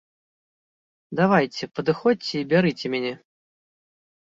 Давайце, падыходзьце і бярыце мяне.